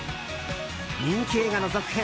人気映画の続編